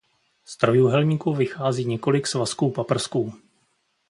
Z trojúhelníku vychází několik svazků paprsků.